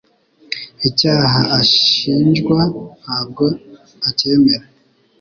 icyaha ashinjwa ntabwo acyemera